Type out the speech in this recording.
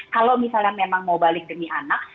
kalau misalnya memang mau balik demi anak